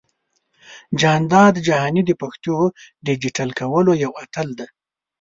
جانداد جهاني د پښتو ډىجيټل کولو يو اتل دى.